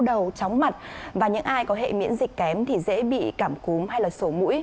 cháu chóng mặt và những ai có hệ miễn dịch kém thì dễ bị cảm cúm hay sổ mũi